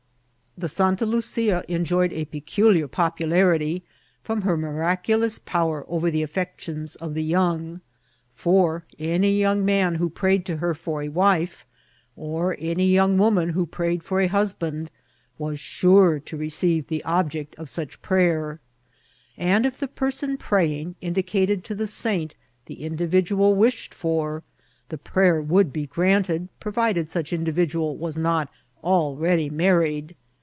The Santa Lucia enjoyed a peculiar popularity from her miraculous power over the affections of the young ; for any young man who prayed to her for a wife, or any young woman who prayed for a husband, was sure to receive the object of such prayer ; and if the p^s<Hi praying indicated to the saint the individual wished for, the prayer would be granted, provided such individual was not already married.